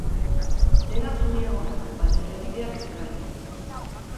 Dena zuri egon da, baina errepideak garbi.